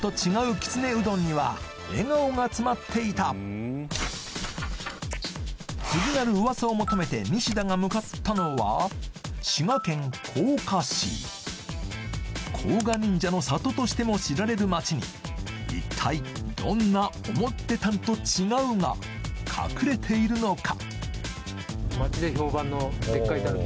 きつねうどんには笑顔が詰まっていた次なる噂を求めて西田が向かったのは滋賀県甲賀市甲賀忍者の里としても知られる町に一体どんな「思ってたんと違う！」が隠れているのか？